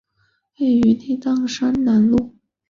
位于内藏山南麓。